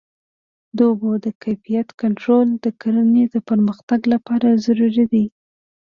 د اوبو د کیفیت کنټرول د کرنې د پرمختګ لپاره ضروري دی.